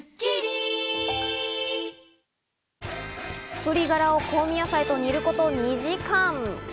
鶏ガラを香味野菜と煮ること２時間。